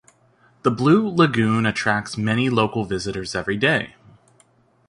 The Blue Lagoon attracts many local visitors every day.